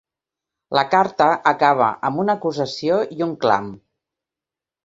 La carta acaba amb una acusació i un clam.